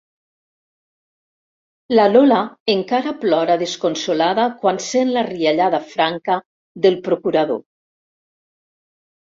La Lola encara plora desconsolada quan sent la riallada franca del procurador.